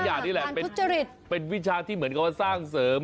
อันนี้แหละเป็นวิชาที่เหมือนกับสร้างเสริม